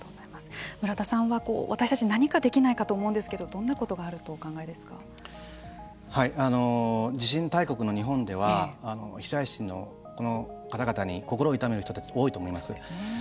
村田さんは、私たち何かできないかと思うんですけど地震大国の日本では被災地の方々に心を痛める人たち多いと思います。